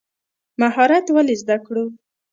مهارت ولې زده کړو؟